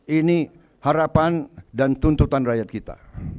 ini harapan dan tuntutan rakyat kita